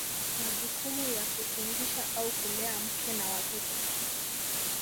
Majukumu ya kutungisha au kulea mke na watoto